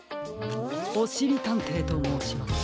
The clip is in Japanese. おしりたんていともうします。